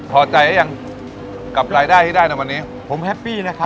พอใจหรือยังกับรายได้ที่ได้ในวันนี้ผมแฮปปี้นะครับ